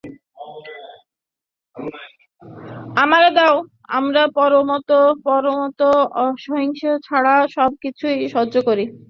আমরা পরমত-অসহিষ্ণুতা ছাড়া আর সব কিছুই সহ্য করি।